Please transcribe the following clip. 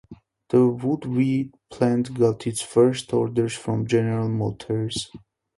The Woodville plant got its first orders from General Motors.